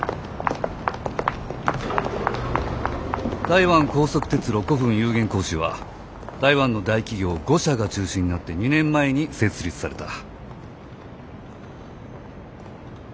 台湾高速鐵路股有限公司は台湾の大企業５社が中心になって２年前に設立された。